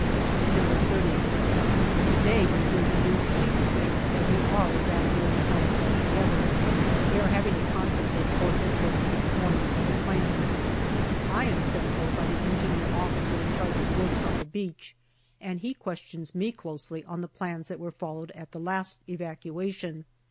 December SOth. To day we hear the news secretly that we are evacuating Helles altogether. They are having a conference at Corps H.Q. this morning on the plans. I am sent for by the Engineer officer in charge of works on the beach, and he questions me closely on the plans that were followed at the last evacuation.